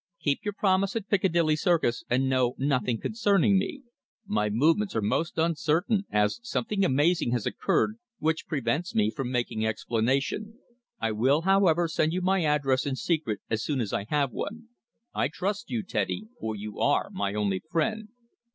Keep your promise at Piccadilly Circus, and know nothing concerning me. My movements are most uncertain, as something amazing has occurred which prevents me making explanation. I will, however, send you my address in secret as soon as I have one. I trust you, Teddy, for you are my only friend.